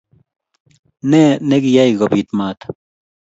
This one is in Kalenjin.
Ne nekiyay kobit mat ?